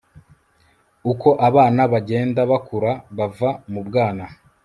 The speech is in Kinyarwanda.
Uko abana bagenda bakura bava mu bwana